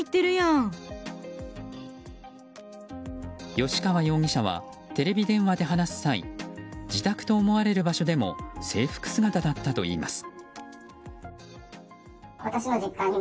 吉川容疑者はテレビ電話で話す際自宅と思われる場所でも制服姿だったといいます。